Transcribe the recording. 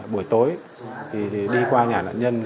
buổi tối thì đi qua nhà nạn nhân